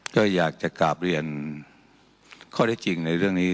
ก็อยากจะกลับเรียนข้อได้จริงในเรื่องนี้